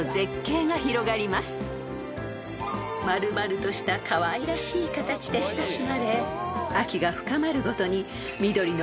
［丸々としたかわいらしい形で親しまれ秋が深まるごとに緑の葉が鮮やかに紅葉］